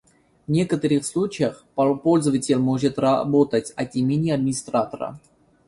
В некоторых случаях, пользователь может работать от имени администратора